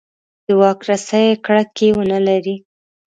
د واک رسۍ یې کړکۍ ونه لري.